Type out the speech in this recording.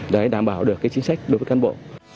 để đảm bảo được cái chính sách đối với căn bộ